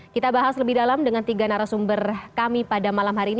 kita bahas lebih dalam dengan tiga narasumber kami pada malam hari ini